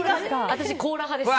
私、コーラ派です。